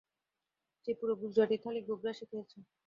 সে পুরো গুজরাটি থালি গোগ্রাসে খেয়েছে।